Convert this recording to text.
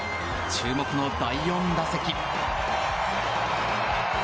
注目の第４打席。